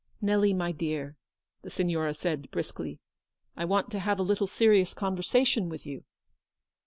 "Xelly, my dear," the Signora said, briskly, " I want to have a little serious conversation with you.''